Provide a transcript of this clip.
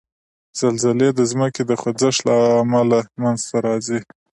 زلزلې د ځمکې د خوځښت له امله منځته راځي.